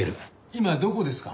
今どこですか？